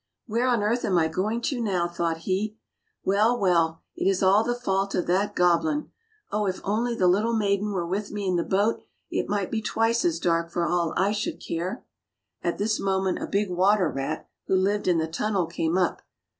" Where on earth am I going to now! " thought he. " Well, well, it is all the fault of that goblin! Oh, if only the little maiden were with me in the boat it might be twice as dark for all I should care! " At this moment a big water rat, who lived in the tunnel, came up.